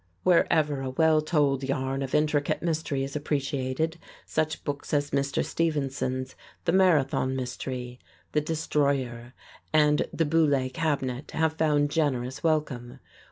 Wherever a well told yarn of intricate mystery is appreciated, such books as Mr. Stevenson's "The Marathon Mystery," "The Destroyer" and "The Boule Cabinet" have found generous welcome.